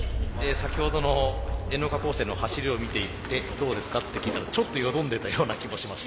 「先ほどのＮ岡高専の走りを見ていてどうですか」って聞いたらちょっとよどんでたような気もしました。